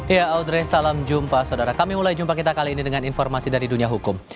ya audrey salam jumpa saudara kami mulai jumpa kita kali ini dengan informasi dari dunia hukum